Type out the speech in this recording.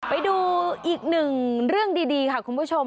ไปดูอีกหนึ่งเรื่องดีค่ะคุณผู้ชม